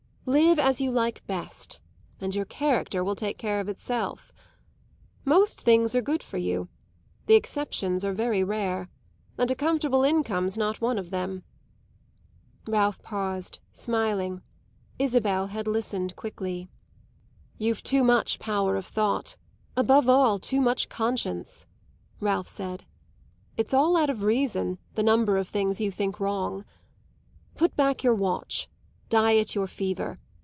Live as you like best, and your character will take care of itself. Most things are good for you; the exceptions are very rare, and a comfortable income's not one of them." Ralph paused, smiling; Isabel had listened quickly. "You've too much power of thought above all too much conscience," Ralph added. "It's out of all reason, the number of things you think wrong. Put back your watch. Diet your fever.